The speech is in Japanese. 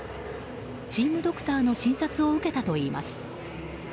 チームドクターの診察を受けたといいます。